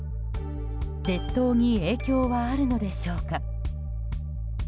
列島に影響はあるのでしょうか。